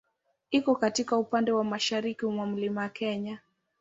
Iko katika upande wa mashariki mwa Mlima Kenya.